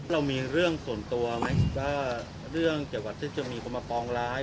ว่าเรื่องจังหวัดที่จะมีคนมาปองร้าย